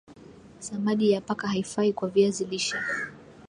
samadi ya paka haifai kwa viazi lishe